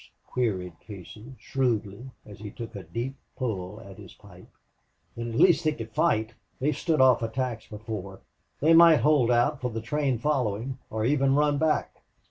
queried Casey, shrewdly, as he took a deep pull at his pipe. "Then at least they could fight. They have stood off attacks before. They might hold out for the train following, or even run back."